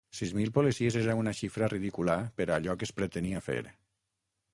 Sis mil policies era una xifra ridícula per allò que es pretenia fer.